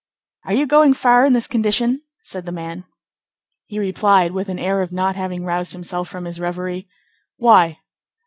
"Are you going far in this condition?" said the man. He replied, with an air of not having roused himself from his reverie:— "Why?"